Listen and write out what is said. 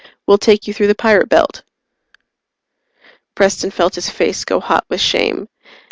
We'll take you through the Pirate Belt." Preston felt his face go hot with shame.